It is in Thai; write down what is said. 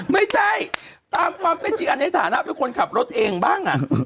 ไม่ใช่ตามความเป็นจริงอันในฐานะเป็นคนขับรถเองบ้าง